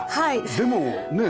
でもねえ